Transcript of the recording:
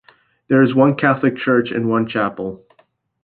There is one Catholic church and one chapel.